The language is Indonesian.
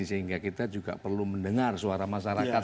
sehingga kita juga perlu mendengar suara masyarakat